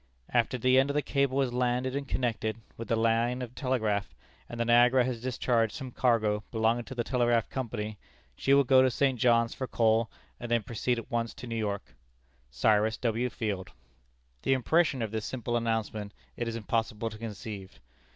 "After the end of the cable is landed and connected with the land line of telegraph, and the Niagara has discharged some cargo belonging to the Telegraph Company, she will go to St. John's for coal, and then proceed at once to New York. "Cyrus W. Field." The impression of this simple announcement it is impossible to conceive.